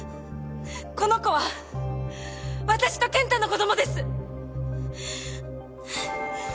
この子は私と健太の子供です！